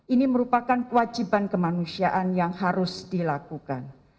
ini merupakan kewajiban kemanusiaan yang harus dilakukan